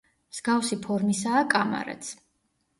მსგავსი ფორმისაა კამარაც.